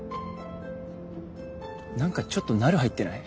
何かちょっとナル入ってない？